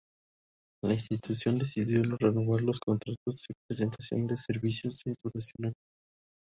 La Institución decidió no renovar los contratos de prestación de servicios de duración anual.